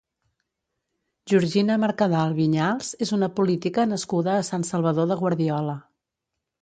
Georgina Mercadal Viñals és una política nascuda a Sant Salvador de Guardiola.